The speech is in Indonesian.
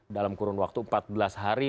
dalam kurun waktu empat belas hari